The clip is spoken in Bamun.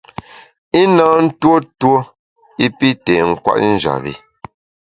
I na ntuo tuo i pi té nkwet njap bi.